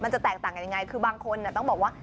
จะแตกต่างกันยังไงคือบางคนต้องบอกว่า